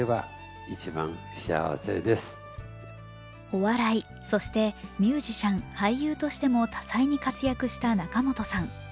お笑い、そしてミュージシャン、俳優としても多彩に活躍した仲本さん。